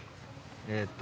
えっと。